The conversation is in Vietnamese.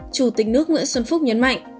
chủ tịch nước nguyễn xuân phúc nhấn mạnh